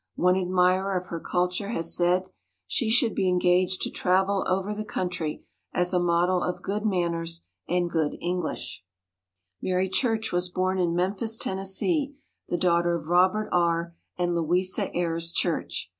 One admirer of her culture has said, "She should be engaged to travel over the country as a model of good man ners and good English." MARY CHURCH TERRELL 87 Mary Church was born in Memphis, Tennessee, the daughter of Robert R. and Louisa Ayres Church.